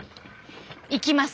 いきます！